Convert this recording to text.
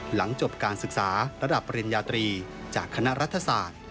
หลังจบการศึกษาระดับปริญญาตรีจากคณะรัฐศาสตร์